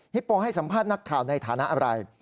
โปให้สัมภาษณ์นักข่าวในฐานะอะไร